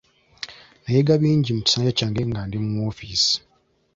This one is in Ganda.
Nayiga bingi mu kisanja kyange nga ndi mu woofiisi.